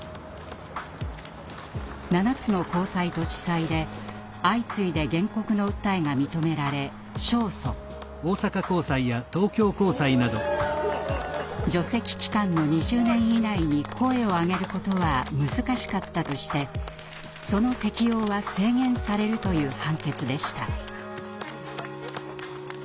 ７つの高裁と地裁で相次いで原告の訴えが認められ勝訴。除斥期間の２０年以内に声を上げることは難しかったとしてその適用は制限されるという判決でした。